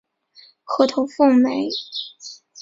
褐头凤鹛。